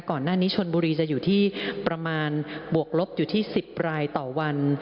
ก่อนหน้านี้ชนบุรีจะอยู่ที่ประมาณบวกลบอยู่ที่๑๐รายต่อวัน